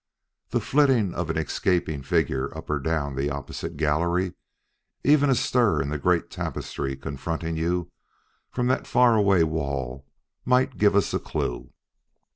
The flitting of an escaping figure up or down the opposite gallery, even a stir in the great tapestry confronting you from that far away wall, might give us a clue."